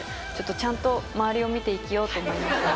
ちゃんと周りを見て生きようと思いました。